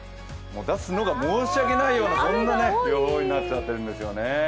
出すのが申し訳ないような予報になっちゃってるんですよね。